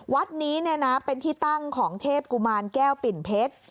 วัดนี้เป็นที่ตั้งของเทพกุมารแก้วปิ่นเพชร